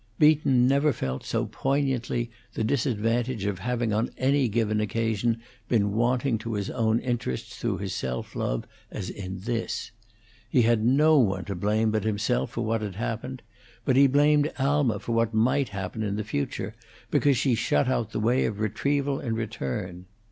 Beaton never felt so poignantly the disadvantage of having on any given occasion been wanting to his own interests through his self love as in this. He had no one to blame but himself for what had happened, but he blamed Alma for what might happen in the future because she shut out the way of retrieval and return.